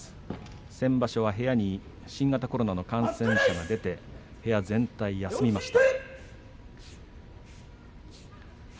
先場所は新型コロナ感染者が出て部屋全体、休みました。